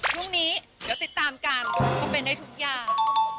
พรุ่งนี้เดี๋ยวติดตามกันก็เป็นได้ทุกอย่าง